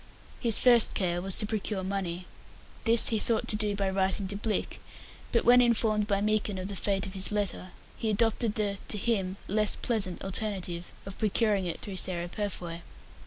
His first care was to procure money. This he thought to do by writing to Blick, but when informed by Meekin of the fate of his letter, he adopted the to him less pleasant alternative of procuring it through Sarah Purfoy.